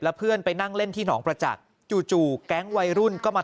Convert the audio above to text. เพื่อนไปนั่งเล่นที่หนองประจักษ์จู่แก๊งวัยรุ่นก็มา